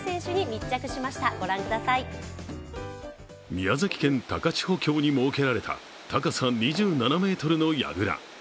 宮崎県高千穂峡に設けられた高さ２７ｍのやぐら。